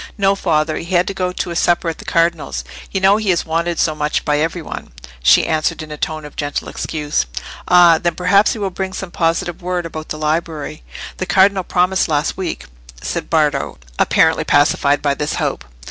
"No, father, he had to go to a supper at the cardinal's: you know he is wanted so much by every one," she answered, in a tone of gentle excuse. "Ah! then perhaps he will bring some positive word about the library; the cardinal promised last week," said Bardo, apparently pacified by this hope.